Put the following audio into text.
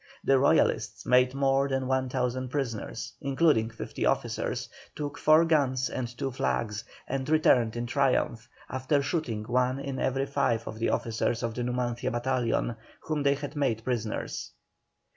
The Royalists made more than 1,000 prisoners, including fifty officers, took four guns and two flags, and returned in triumph, after shooting one in every five of the officers of the Numancia battalion, whom they had made prisoners.